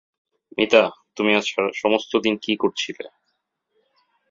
মিতা, তুমি আজ সমস্ত দিন কী করছিলে।